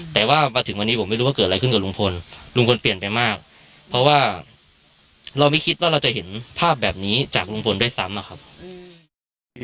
แต่ว่ามาถึงวันนี้ผมไม่รู้ว่าเกิดอะไรขึ้นกับลุงพลลุงพลเปลี่ยนไปมากเพราะว่าเราไม่คิดว่าเราจะเห็นภาพแบบนี้จากลุงพลด้วยซ้ำอะครับ